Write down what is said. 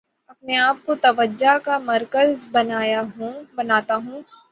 اپنے آپ کو توجہ کا مرکز بناتا ہوں